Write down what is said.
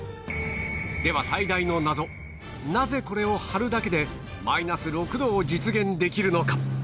では最大の謎なぜこれを貼るだけでマイナス６度を実現できるのか？